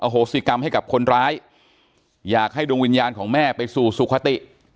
โหสิกรรมให้กับคนร้ายอยากให้ดวงวิญญาณของแม่ไปสู่สุขติ